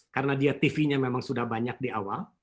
karena dia tv nya memang sudah banyak di awal